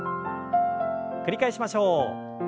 繰り返しましょう。